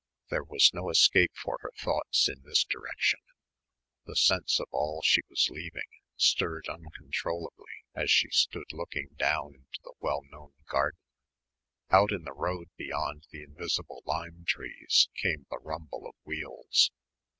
There was no escape for her thoughts in this direction. The sense of all she was leaving stirred uncontrollably as she stood looking down into the well known garden. Out in the road beyond the invisible lime trees came the rumble of wheels.